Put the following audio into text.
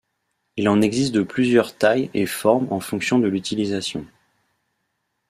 Il en existe de plusieurs tailles et formes en fonction de l'utilisation.